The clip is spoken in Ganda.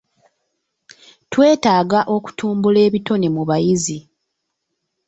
Twetaaga okutumbula ebitone mu bayizi.